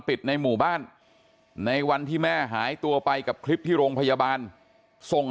ในหมู่บ้านในวันที่แม่หายตัวไปกับคลิปที่โรงพยาบาลส่ง